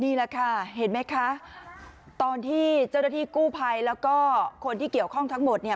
นี่แหละค่ะเห็นไหมคะตอนที่เจ้าหน้าที่กู้ภัยแล้วก็คนที่เกี่ยวข้องทั้งหมดเนี่ย